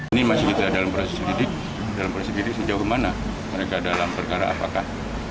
ini masih kita dalam proses didik dalam proses didik sejauh mana mereka dalam perkara apakah